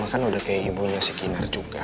ma mama kan udah kayak ibunya si kinar juga